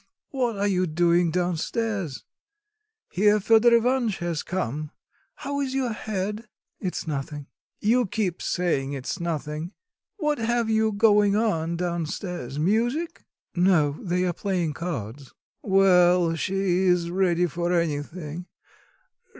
What are you doing down stairs? Here Fedor Ivanitch has come. How is your head?" "It's nothing." "You keep saying it's nothing. What have you going on down stairs music?" "No they are playing cards." "Well, she's ready for anything.